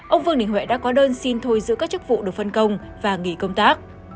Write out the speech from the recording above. ông vương đình huệ đã có đơn xin thôi giữ các chức vụ được phân công và nghỉ công tác